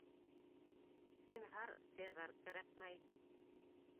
Зинһар, Цезарь, кәрәкмәй.